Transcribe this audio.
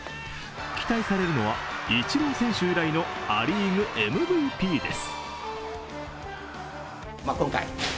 期待されるのはイチロー選手以来のア・リーグＭＶＰです。